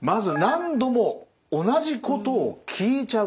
「何度も同じことを聞いちゃう」。